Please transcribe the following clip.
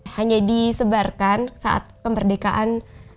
hanya disebarkan saat kemerdekaan